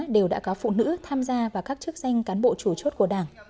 đều đã có phụ nữ tham gia vào các chức danh cán bộ chủ chốt của đảng